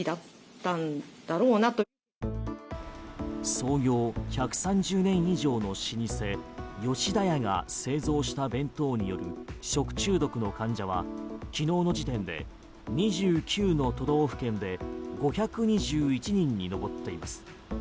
創業１３０年以上の老舗吉田屋が製造した弁当による食中毒の患者は昨日の時点で２９の都道府県で５２１人に上っています。